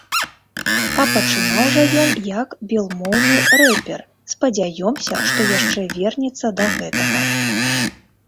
А пачынаў жа ён як белмоўны рэпер, спадзяёмся, што яшчэ вернецца да гэтага.